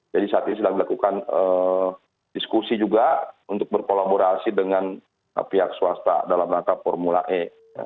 jadi saat ini sedang dilakukan diskusi juga untuk berkolaborasi dengan pihak swasta dalam langkah formula e